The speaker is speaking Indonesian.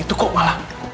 itu kok malah